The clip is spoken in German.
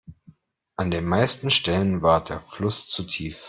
An den meisten Stellen war der Fluss zu tief.